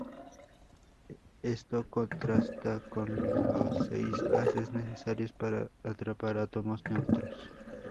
Esto contrasta con los seis haces necesarios para atrapar átomos neutros.